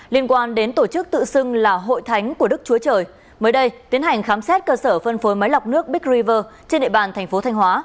liên quan đến tổ chức tự xưng là hội thánh của đức chúa trời mới đây tiến hành khám xét cơ sở phân phối máy lọc nước big river trên địa bàn thành phố thanh hóa